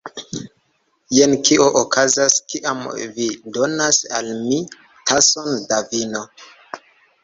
Jen kio okazas kiam vi donas al mi tason da vino